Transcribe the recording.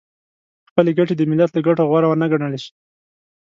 خپلې ګټې د ملت له ګټو غوره ونه ګڼل شي .